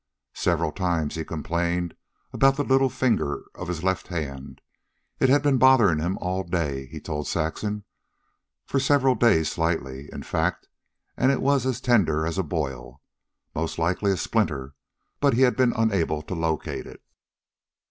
Several times he complained about the little finger of his left hand. It had been bothering him all day he told Saxon, for several days slightly, in fact, and it was as tender as a boil most likely a splinter, but he had been unable to locate it.